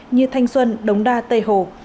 như thanh xuân đống đa tây hồ